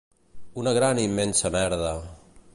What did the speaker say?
Una gran i immensa merda...